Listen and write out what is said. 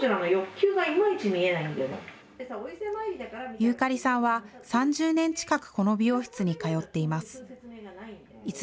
遊かりさんは３０年近くこの美容室に通っています。